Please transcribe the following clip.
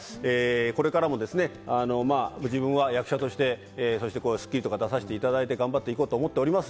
これからも自分は役者として『スッキリ』とかに出させていただいて頑張って行こうと思っております。